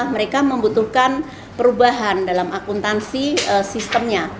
mereka membutuhkan perubahan dalam akuntansi sistemnya